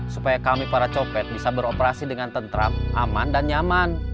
supaya kami para copet bisa beroperasi dengan tentram aman dan nyaman